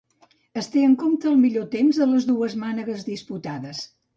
Es té en compte el millor temps de les dues mànegues disputades.